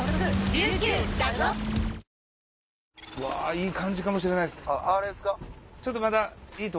いい感じかもしれないですね。